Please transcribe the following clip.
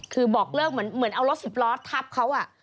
คือบอกเลิกเหมือนเอารถสิบล้อทับเขา